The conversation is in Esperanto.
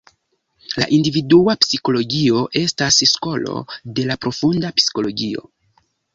La individua psikologio estas skolo de da profunda psikologio.